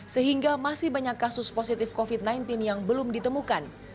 sehingga masih banyak kasus positif covid sembilan belas yang belum ditemukan